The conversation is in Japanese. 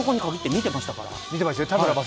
見てましたから。